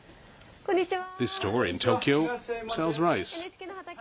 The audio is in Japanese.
こんにちは。